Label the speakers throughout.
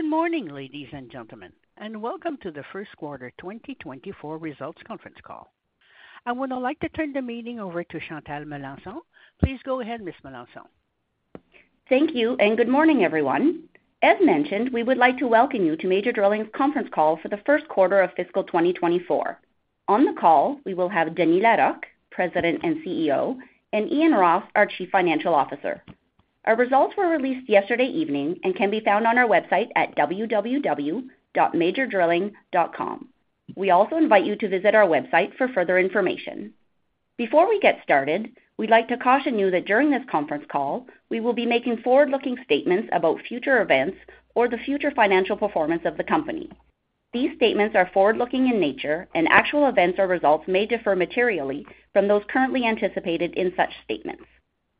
Speaker 1: Good morning, ladies and gentlemen, and welcome to the first quarter 2024 results conference call. I would now like to turn the meeting over to Chantal Melanson. Please go ahead, Ms. Melanson.
Speaker 2: Thank you, and good morning, everyone. As mentioned, we would like to welcome you to Major Drilling's conference call for the first quarter of fiscal 2024. On the call, we will have Denis Larocque, President and CEO, and Ian Ross, our Chief Financial Officer. Our results were released yesterday evening and can be found on our website at www.majordrilling.com. We also invite you to visit our website for further information. Before we get started, we'd like to caution you that during this conference call, we will be making forward-looking statements about future events or the future financial performance of the company. These statements are forward-looking in nature, and actual events or results may differ materially from those currently anticipated in such statements.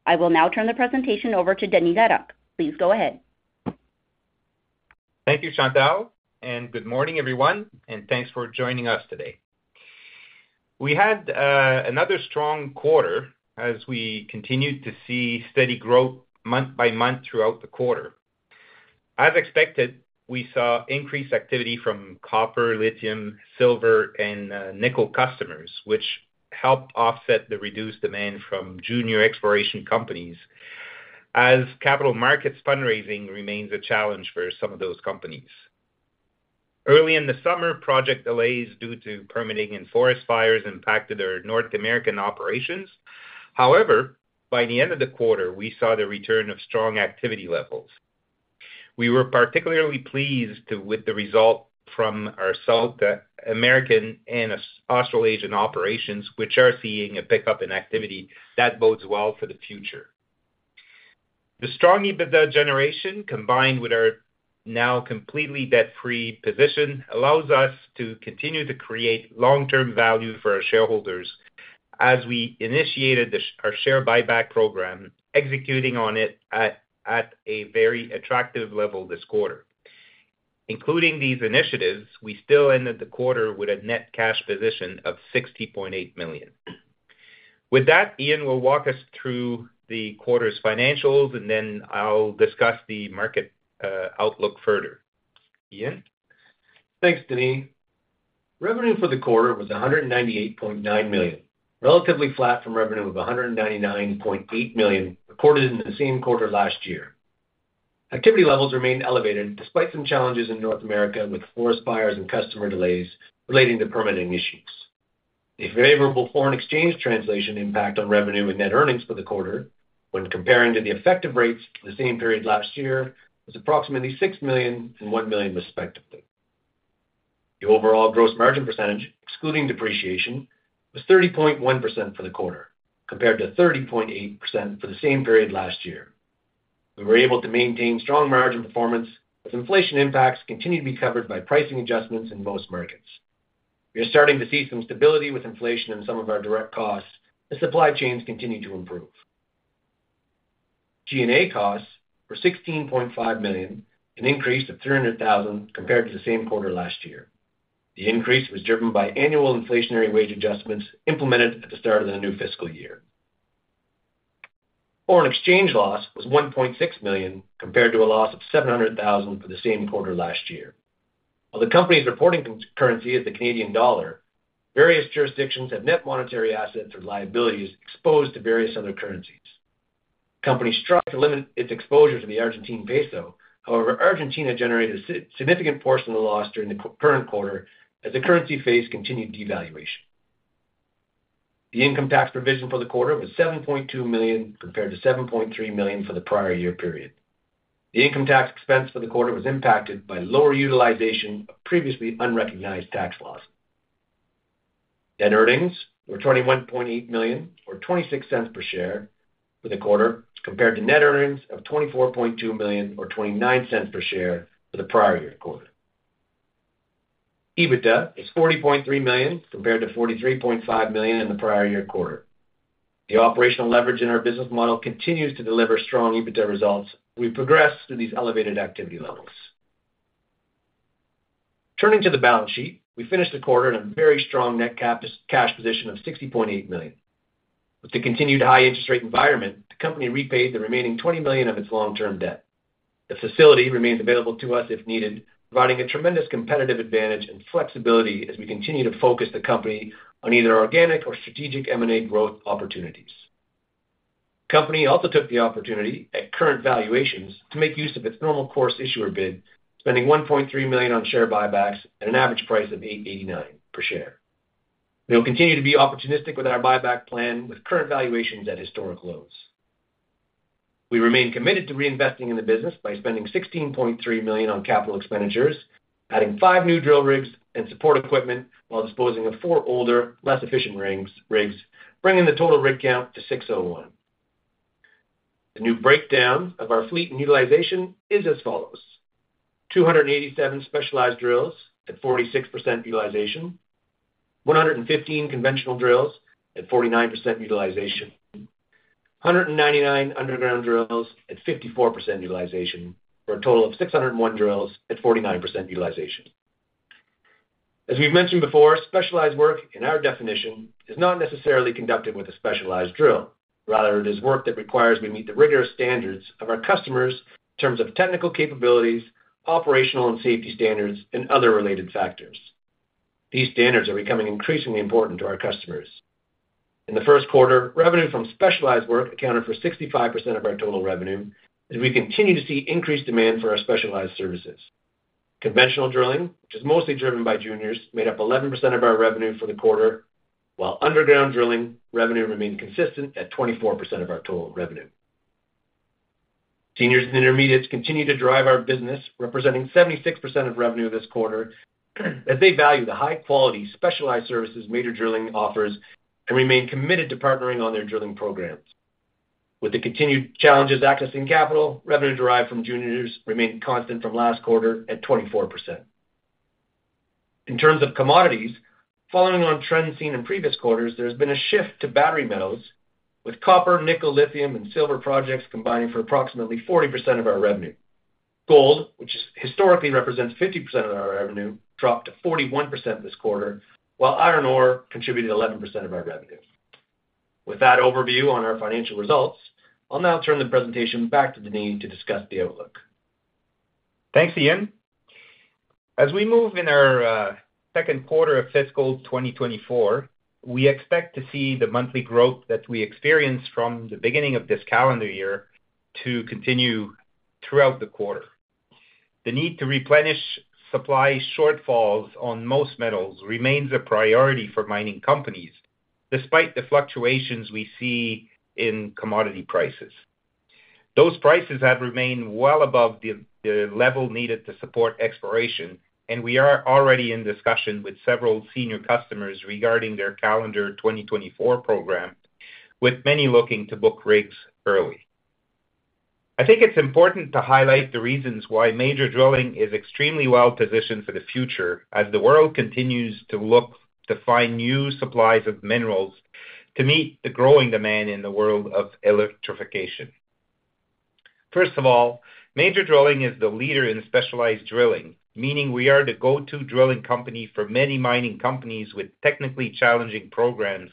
Speaker 2: I will now turn the presentation over to Denis Larocque. Please go ahead.
Speaker 3: Thank you, Chantal, and good morning, everyone, and thanks for joining us today. We had another strong quarter as we continued to see steady growth month by month throughout the quarter. As expected, we saw increased activity from copper, lithium, silver, and nickel customers, which helped offset the reduced demand from junior exploration companies as capital markets fundraising remains a challenge for some of those companies. Early in the summer, project delays due to permitting and forest fires impacted our North American operations. However, by the end of the quarter, we saw the return of strong activity levels. We were particularly pleased with the result from our South American and Australasian operations, which are seeing a pickup in activity that bodes well for the future. The strong EBITDA generation, combined with our now completely debt-free position, allows us to continue to create long-term value for our shareholders as we initiated our share buyback program, executing on it at a very attractive level this quarter. Including these initiatives, we still ended the quarter with a net cash position of 60.8 million. With that, Ian will walk us through the quarter's financials, and then I'll discuss the market outlook further. Ian?
Speaker 4: Thanks, Denis. Revenue for the quarter was 198.9 million, relatively flat from revenue of 199.8 million, recorded in the same quarter last year. Activity levels remained elevated despite some challenges in North America with forest fires and customer delays relating to permitting issues. A favorable foreign exchange translation impact on revenue and net earnings for the quarter, when comparing to the effective rates for the same period last year, was approximately 6 million and 1 million, respectively. The overall gross margin percentage, excluding depreciation, was 30.1% for the quarter, compared to 30.8% for the same period last year. We were able to maintain strong margin performance as inflation impacts continued to be covered by pricing adjustments in most markets. We are starting to see some stability with inflation in some of our direct costs as supply chains continue to improve. G&A costs were 16.5 million, an increase of 300,000 compared to the same quarter last year. The increase was driven by annual inflationary wage adjustments implemented at the start of the new fiscal year. Foreign exchange loss was 1.6 million, compared to a loss of 700,000 for the same quarter last year. While the company's reporting currency is the Canadian dollar, various jurisdictions have net monetary assets or liabilities exposed to various other currencies. Company strive to limit its exposure to the Argentine peso. However, Argentina generated a significant portion of the loss during the current quarter as the currency faced continued devaluation. The income tax provision for the quarter was 7.2 million, compared to 7.3 million for the prior year period. The income tax expense for the quarter was impacted by lower utilization of previously unrecognized tax loss. Net earnings were 21.8 million, or 0.26 per share for the quarter, compared to net earnings of 24.2 million, or 0.29 per share for the prior year quarter. EBITDA is 40.3 million, compared to 43.5 million in the prior year quarter. The operational leverage in our business model continues to deliver strong EBITDA results. We've progressed through these elevated activity levels. Turning to the balance sheet, we finished the quarter in a very strong net cash position of 60.8 million. With the continued high interest rate environment, the company repaid the remaining 20 million of its long-term debt. The facility remains available to us if needed, providing a tremendous competitive advantage and flexibility as we continue to focus the company on either organic or strategic M&A growth opportunities. The company also took the opportunity at current valuations to make use of its Normal Course Issuer Bid, spending 1.3 million on share buybacks at an average price of 8.89 per share. We will continue to be opportunistic with our buyback plan with current valuations at historic lows. We remain committed to reinvesting in the business by spending CAD 16.3 million on capital expenditures, adding five new drill rigs and support equipment, while disposing of four older, less efficient rigs, bringing the total rig count to 601. The new breakdown of our fleet and utilization is as follows: 287 specialized drills at 46% utilization, 115 conventional drills at 49% utilization, 199 underground drills at 54% utilization, for a total of 601 drills at 49% utilization. As we've mentioned before, specialized work, in our definition, is not necessarily conducted with a specialized drill. Rather, it is work that requires we meet the rigorous standards of our customers in terms of technical capabilities, operational and safety standards, and other related factors. These standards are becoming increasingly important to our customers. In the first quarter, revenue from specialized work accounted for 65% of our total revenue, as we continue to see increased demand for our specialized services. Conventional drilling, which is mostly driven by juniors, made up 11% of our revenue for the quarter, while underground drilling revenue remained consistent at 24% of our total revenue. Seniors and intermediates continue to drive our business, representing 76% of revenue this quarter, as they value the high-quality, specialized services Major Drilling offers and remain committed to partnering on their drilling programs. With the continued challenges accessing capital, revenue derived from juniors remained constant from last quarter at 24%. In terms of commodities, following on trends seen in previous quarters, there's been a shift to battery metals, with copper, nickel, lithium, and silver projects combining for approximately 40% of our revenue. Gold, which is historically represents 50% of our revenue, dropped to 41% this quarter, while iron ore contributed 11% of our revenue. With that overview on our financial results, I'll now turn the presentation back to Denis to discuss the outlook.
Speaker 3: Thanks, Ian. As we move in our second quarter of fiscal 2024, we expect to see the monthly growth that we experienced from the beginning of this calendar year to continue throughout the quarter. The need to replenish supply shortfalls on most metals remains a priority for mining companies, despite the fluctuations we see in commodity prices. Those prices have remained well above the level needed to support exploration, and we are already in discussion with several senior customers regarding their calendar 2024 program, with many looking to book rigs early. I think it's important to highlight the reasons why Major Drilling is extremely well-positioned for the future, as the world continues to look to find new supplies of minerals to meet the growing demand in the world of electrification. First of all, Major Drilling is the leader in specialized drilling, meaning we are the go-to drilling company for many mining companies with technically challenging programs,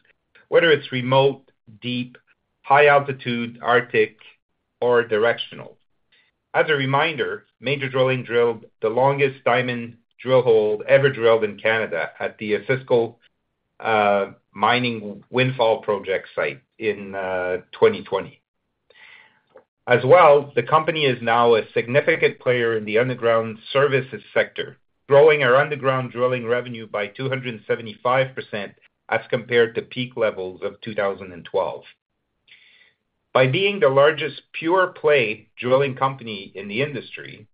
Speaker 3: whether it's remote, deep, high altitude, Arctic, or directional. As a reminder, Major Drilling drilled the longest diamond drill hole ever drilled in Canada at the Osisko Mining Windfall project site in 2020. As well, the company is now a significant player in the underground services sector, growing our underground drilling revenue by 275% as compared to peak levels of 2012. By being the largest pure play drilling company in the industry,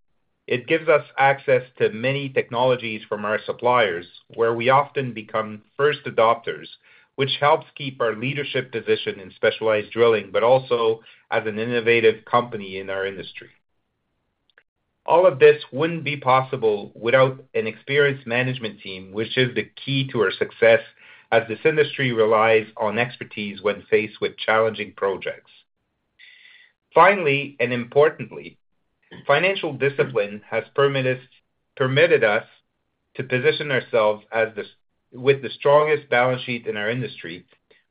Speaker 3: it gives us access to many technologies from our suppliers, where we often become first adopters, which helps keep our leadership position in specialized drilling, but also as an innovative company in our industry. All of this wouldn't be possible without an experienced management team, which is the key to our success, as this industry relies on expertise when faced with challenging projects. Finally, and importantly, financial discipline has permitted us to position ourselves as the with the strongest balance sheet in our industry,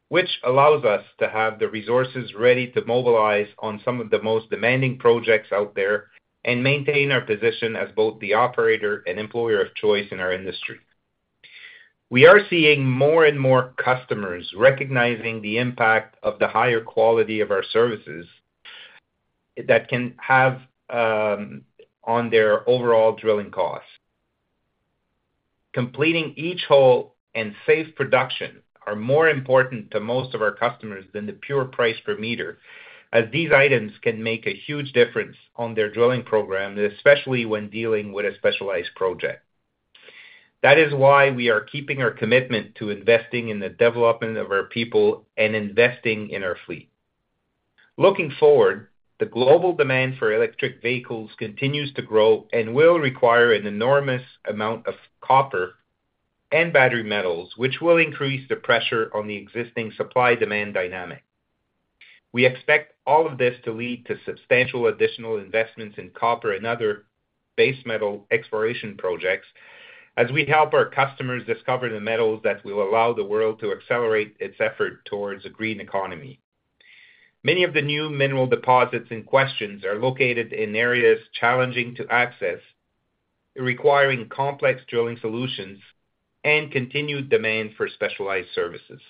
Speaker 3: which allows us to have the resources ready to mobilize on some of the most demanding projects out there, and maintain our position as both the operator and employer of choice in our industry. We are seeing more and more customers recognizing the impact of the higher quality of our services that can have on their overall drilling costs. Completing each hole and safe production are more important to most of our customers than the pure price per meter, as these items can make a huge difference on their drilling program, especially when dealing with a specialized project. That is why we are keeping our commitment to investing in the development of our people and investing in our fleet. Looking forward, the global demand for electric vehicles continues to grow and will require an enormous amount of copper and battery metals, which will increase the pressure on the existing supply-demand dynamic. We expect all of this to lead to substantial additional investments in copper and other base metal exploration projects, as we help our customers discover the metals that will allow the world to accelerate its effort towards a green economy. Many of the new mineral deposits in question are located in areas challenging to access, requiring complex drilling solutions and continued demand for specialized services.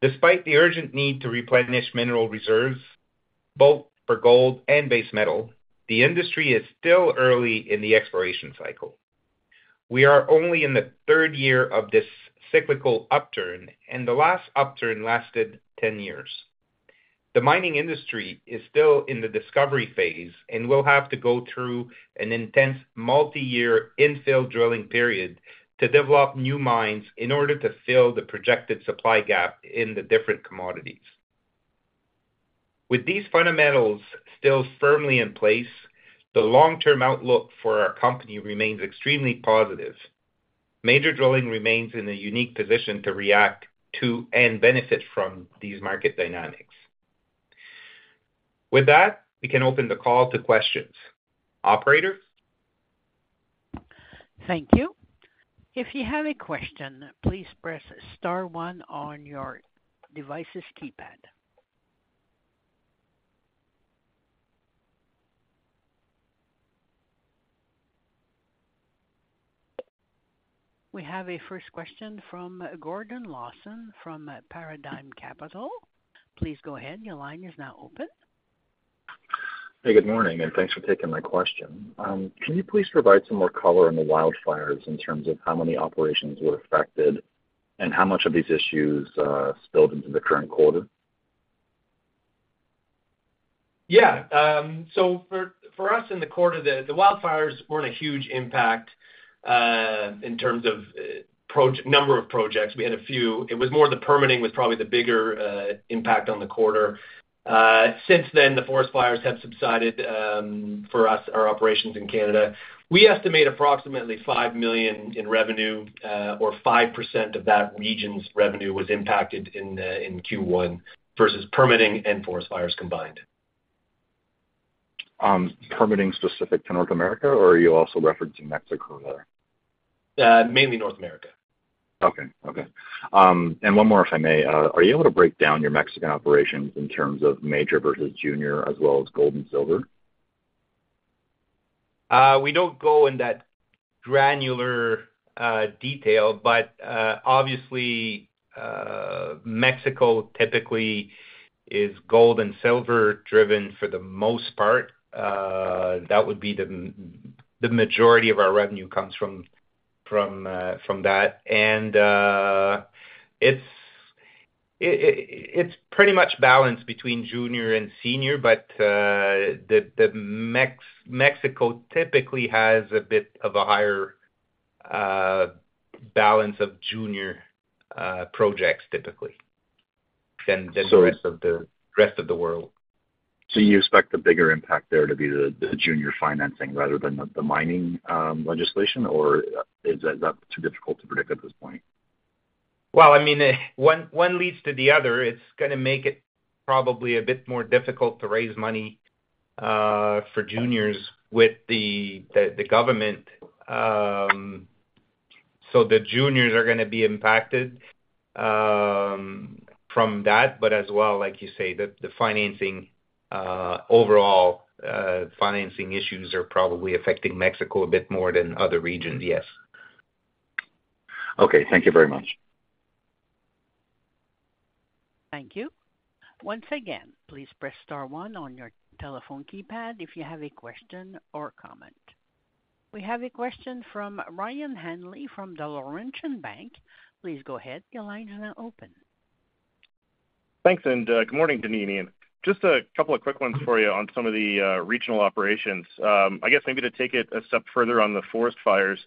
Speaker 3: Despite the urgent need to replenish mineral reserves, both for gold and base metal, the industry is still early in the exploration cycle. We are only in the third year of this cyclical upturn, and the last upturn lasted 10 years. The mining industry is still in the discovery phase and will have to go through an intense multi-year infill drilling period to develop new mines in order to fill the projected supply gap in the different commodities. With these fundamentals still firmly in place, the long-term outlook for our company remains extremely positive. Major Drilling remains in a unique position to react to and benefit from these market dynamics... With that, we can open the call to questions. Operator?
Speaker 1: Thank you. If you have a question, please press star one on your device's keypad. We have a first question from Gordon Lawson from Paradigm Capital. Please go ahead. Your line is now open.
Speaker 5: Hey, good morning, and thanks for taking my question. Can you please provide some more color on the wildfires in terms of how many operations were affected and how much of these issues spilled into the current quarter?
Speaker 3: Yeah. So for us in the quarter, the wildfires weren't a huge impact in terms of number of projects. We had a few. It was more the permitting was probably the bigger impact on the quarter. Since then, the forest fires have subsided for us, our operations in Canada. We estimate approximately 5 million in revenue or 5% of that region's revenue was impacted in Q1 versus permitting and forest fires combined.
Speaker 5: Permitting specific to North America, or are you also referencing Mexico there?
Speaker 3: Mainly North America.
Speaker 5: Okay, okay. One more, if I may. Are you able to break down your Mexican operations in terms of major versus junior, as well as gold and silver?
Speaker 3: We don't go in that granular detail, but obviously, Mexico typically is gold and silver driven for the most part. That would be the majority of our revenue comes from that. It's pretty much balanced between junior and senior, but the Mexico typically has a bit of a higher balance of junior projects typically than the rest of the-
Speaker 5: So-
Speaker 3: Rest of the world.
Speaker 5: So you expect the bigger impact there to be the junior financing rather than the mining legislation, or is that too difficult to predict at this point?
Speaker 3: Well, I mean, one leads to the other. It's gonna make it probably a bit more difficult to raise money for juniors with the government. So the juniors are gonna be impacted from that, but as well, like you say, the financing overall financing issues are probably affecting Mexico a bit more than other regions, yes.
Speaker 5: Okay. Thank you very much.
Speaker 1: Thank you. Once again, please press star one on your telephone keypad if you have a question or comment. We have a question from Ryan Hanley, from the Laurentian Bank. Please go ahead. Your line is now open.
Speaker 6: Thanks, and, good morning, Denis. Just a couple of quick ones for you on some of the, regional operations. I guess maybe to take it a step further on the forest fires,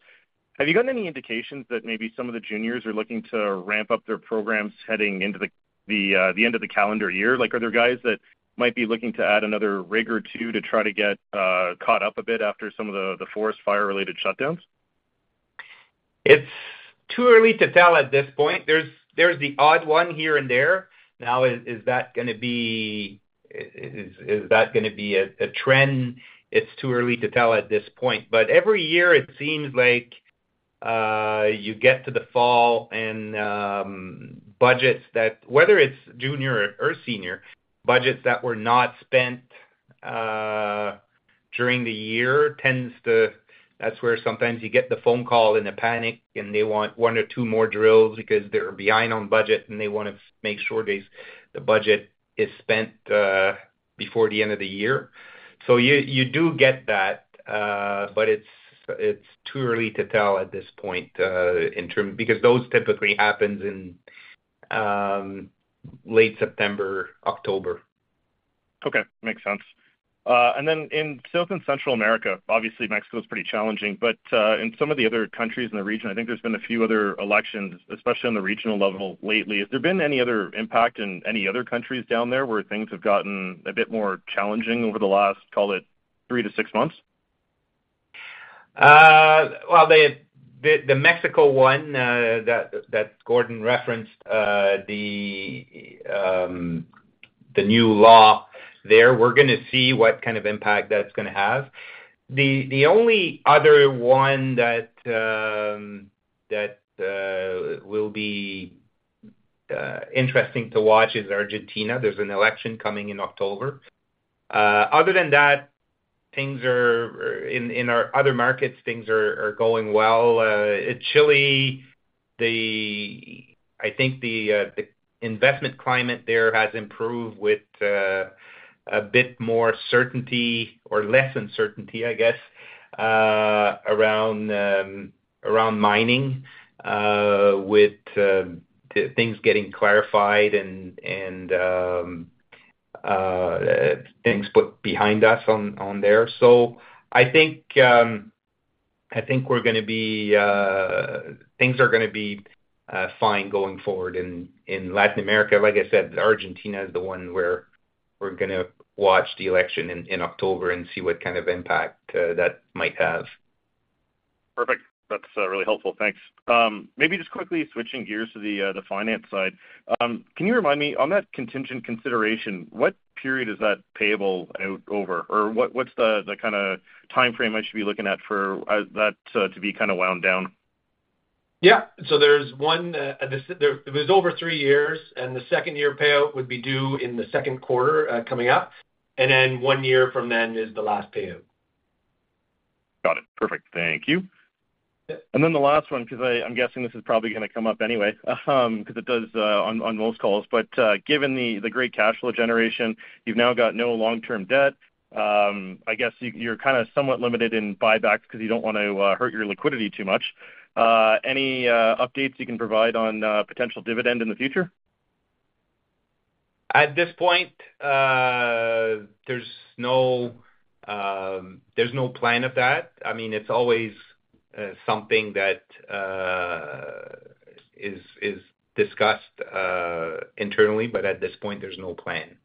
Speaker 6: have you gotten any indications that maybe some of the juniors are looking to ramp up their programs heading into the, the, end of the calendar year? Like, are there guys that might be looking to add another rig or two to try to get, caught up a bit after some of the, the forest fire-related shutdowns?
Speaker 3: It's too early to tell at this point. There's the odd one here and there. Now, is that gonna be a trend? It's too early to tell at this point. But every year, it seems like you get to the fall and budgets that, whether it's junior or senior, budgets that were not spent during the year, tends to... That's where sometimes you get the phone call in a panic, and they want one or two more drills because they're behind on budget, and they want to make sure they, the budget is spent before the end of the year. So you do get that, but it's too early to tell at this point because those typically happens in late September, October.
Speaker 6: Okay. Makes sense. And then in South and Central America, obviously, Mexico is pretty challenging, but, in some of the other countries in the region, I think there's been a few other elections, especially on the regional level lately. Has there been any other impact in any other countries down there, where things have gotten a bit more challenging over the last, call it, 3-6 months?
Speaker 3: Well, the Mexico one that Gordon referenced, the new law there, we're gonna see what kind of impact that's gonna have. The only other one that will be interesting to watch is Argentina. There's an election coming in October. Other than that, things are in our other markets, things are going well. In Chile, I think the investment climate there has improved with a bit more certainty or less uncertainty, I guess, around mining, with the things getting clarified and things put behind us on there. So I think things are gonna be fine going forward in Latin America. Like I said, Argentina is the one where we're gonna watch the election in October and see what kind of impact that might have....
Speaker 6: Perfect. That's really helpful. Thanks. Maybe just quickly switching gears to the finance side. Can you remind me, on that contingent consideration, what period is that payable out over? Or what, what's the kind of timeframe I should be looking at for that to be kind of wound down?
Speaker 3: Yeah. So there's one, it was over three years, and the second year payout would be due in the second quarter, coming up, and then one year from then is the last payout.
Speaker 6: Got it. Perfect. Thank you.
Speaker 3: Yeah.
Speaker 6: Then the last one, 'cause I'm guessing this is probably gonna come up anyway, 'cause it does on most calls. But given the great cash flow generation, you've now got no long-term debt. I guess you're kind of somewhat limited in buybacks 'cause you don't want to hurt your liquidity too much. Any updates you can provide on potential dividend in the future?
Speaker 3: At this point, there's no plan of that. I mean, it's always something that is discussed internally, but at this point, there's no plan.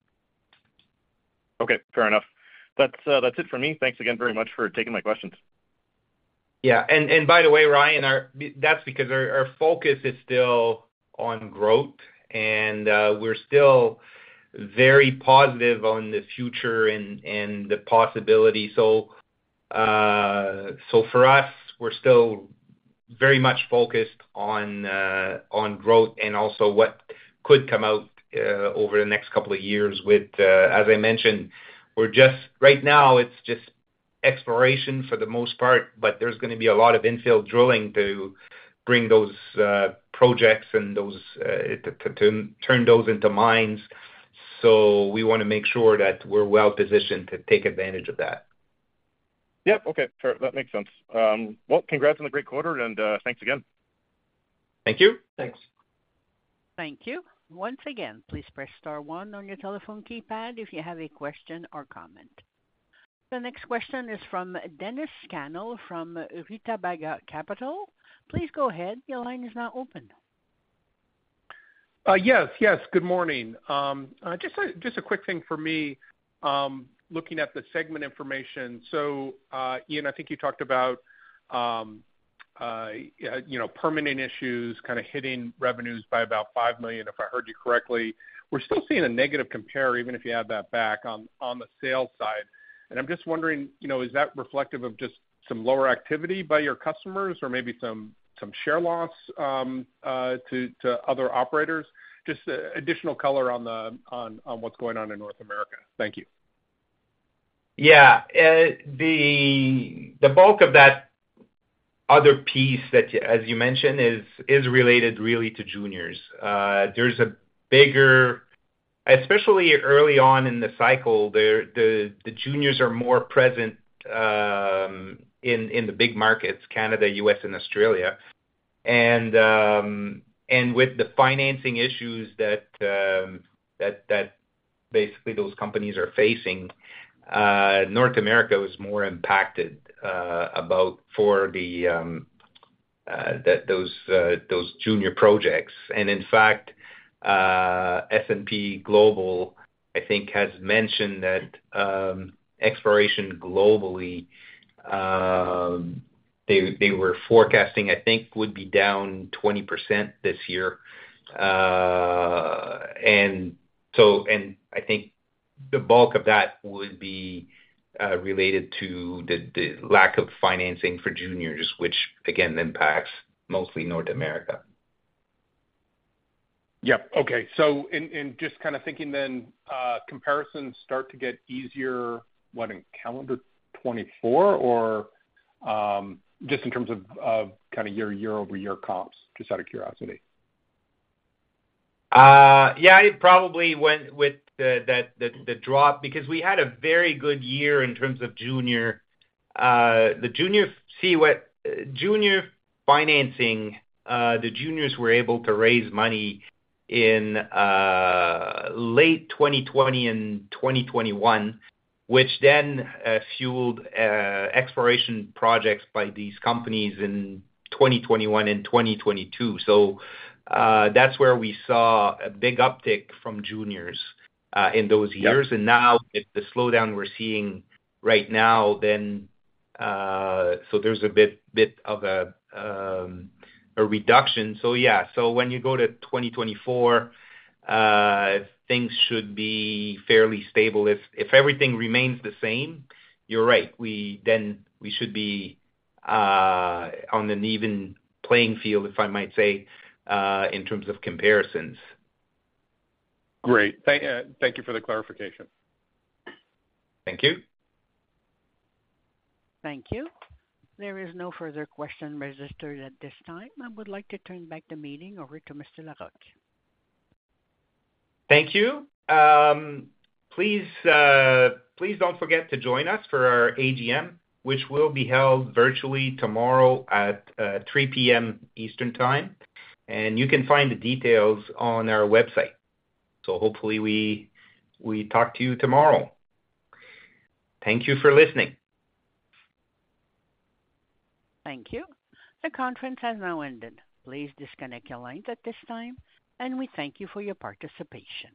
Speaker 6: Okay, fair enough. That's, that's it for me. Thanks again very much for taking my questions.
Speaker 3: Yeah, and by the way, Ryan, that's because our focus is still on growth, and we're still very positive on the future and the possibility. So, for us, we're still very much focused on growth and also what could come out over the next couple of years with, as I mentioned, we're just... Right now, it's just exploration for the most part, but there's gonna be a lot of infill drilling to bring those projects and those turn those into mines. So we wanna make sure that we're well positioned to take advantage of that.
Speaker 6: Yep. Okay, sure. That makes sense. Well, congrats on the great quarter and, thanks again.
Speaker 3: Thank you. Thanks.
Speaker 1: Thank you. Once again, please press star one on your telephone keypad if you have a question or comment. The next question is from Dennis Scannell, from Rutabaga Capital. Please go ahead. Your line is now open.
Speaker 7: Yes, yes, good morning. Just a quick thing for me, looking at the segment information. So, Ian, I think you talked about, you know, permitting issues kind of hitting revenues by about 5 million, if I heard you correctly. We're still seeing a negative compare, even if you add that back on, on the sales side. And I'm just wondering, you know, is that reflective of just some lower activity by your customers or maybe some share loss to other operators? Just additional color on what's going on in North America. Thank you.
Speaker 3: Yeah. The bulk of that other piece that as you mentioned is related really to juniors. There's a bigger... Especially early on in the cycle, the juniors are more present in the big markets, Canada, U.S., and Australia. And with the financing issues that basically those companies are facing, North America was more impacted about those junior projects. And in fact, S&P Global, I think, has mentioned that exploration globally they were forecasting, I think, would be down 20% this year. And so, I think the bulk of that would be related to the lack of financing for juniors, which again impacts mostly North America.
Speaker 7: Yep. Okay. So, just kind of thinking then, comparisons start to get easier in calendar 2024? Or, just in terms of kind of year-over-year comps, just out of curiosity.
Speaker 3: Yeah, I'd probably went with the drop, because we had a very good year in terms of junior. The junior financing, the juniors were able to raise money in late 2020 and 2021, which then fueled exploration projects by these companies in 2021 and 2022. So, that's where we saw a big uptick from juniors in those years.
Speaker 7: Yep.
Speaker 3: And now, with the slowdown we're seeing right now, then, so there's a bit of a reduction. So yeah, so when you go to 2024, things should be fairly stable. If everything remains the same, you're right, we then we should be on an even playing field, if I might say, in terms of comparisons.
Speaker 7: Great. Thank, thank you for the clarification.
Speaker 3: Thank you.
Speaker 1: Thank you. There is no further question registered at this time. I would like to turn back the meeting over to Mr. Larocque.
Speaker 3: Thank you. Please don't forget to join us for our AGM, which will be held virtually tomorrow at 3:00 P.M. Eastern Time, and you can find the details on our website. So hopefully, we talk to you tomorrow. Thank you for listening.
Speaker 1: Thank you. The conference has now ended. Please disconnect your lines at this time, and we thank you for your participation.